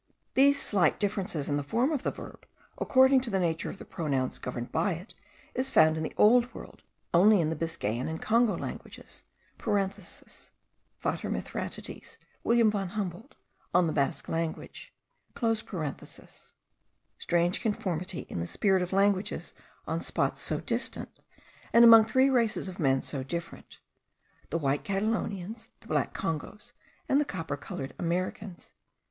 These slight differences in the form of the verb, according to the nature of the pronouns governed by it, is found in the Old World only in the Biscayan and Congo languages (Vater, Mithridates. William von Humboldt, On the Basque Language). Strange conformity in the structure of languages on spots so distant, and among three races of men so different, the white Catalonians, the black Congos, and the copper coloured Americans!)